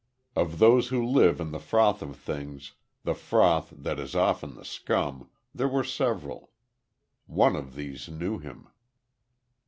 Of those who live in the froth of things the froth that is often the scum there were several. One of these knew him.